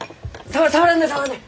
触らんで触らんで！